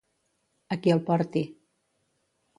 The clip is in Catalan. A qui el porti.